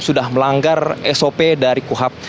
sudah melanggar sop dari kuhap